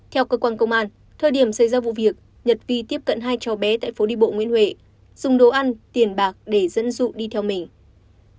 theo cơ quan công an thời điểm xảy ra vụ việc nhật vi tiếp cận hai cháu bé tại phố đi bộ nguyễn huệ dùng đồ ăn tiền bạc để dẫn dụ đi theo mình